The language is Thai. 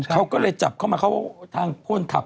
เขาก็เลยจับเข้ามาเขาทางคนขับ